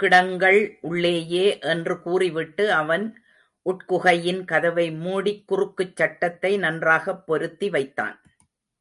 கிடங்கள் உள்ளேயே என்று கூறிவிட்டு, அவன் உட்குகையின் கதவை மூடிக் குறுக்குச் சட்டத்தை நன்றாகப் பொருத்தி வைத்தான்.